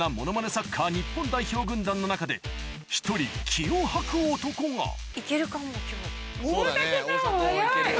サッカー日本代表軍団の中で１人気を吐く男が行けるかも今日。